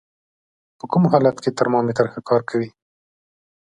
په کوم حالت کې ترمامتر ښه کار کوي؟